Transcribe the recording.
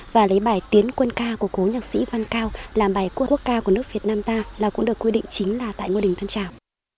và lấy bài tiến quân ca của cố nhạc sĩ văn cao làm bài quốc ca của nước việt nam ta là cũng được quy định chính là tại ngôi đình thân trào